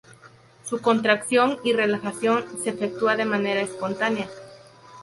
Su contracción y relajación se efectúa de manera espontánea.